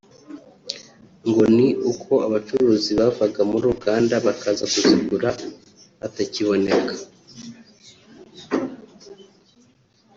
ngo ni uko abacuruzi bavaga muri Uganda bakaza kuzigura batakiboneka